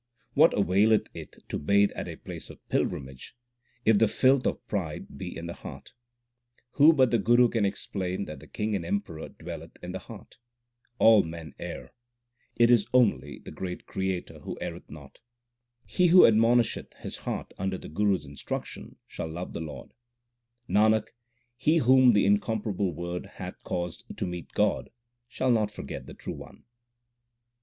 What availeth it to bathe at a place of pilgrimage, if the filth of pride be in the heart ? Who but the Guru can explain that the King and Emperor dwelleth in the heart ? All men err ; it is only the great Creator who erreth not. He who admonisheth his heart under the Guru s instruc tion shall love the Lord. 1 Because the soul has emanated from God. HYMNS OF GURU NANAK 273 Nanak, he whom the incomparable Word hath caused to meet God, shall not forget the True One.